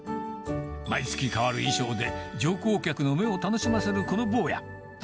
毎月変わる衣装で、乗降客の目を楽しませるこの坊や。